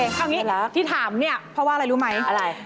เอาอย่างนี้ที่ถามเนี่ยเพราะว่าอะไรรู้ไหมอะไร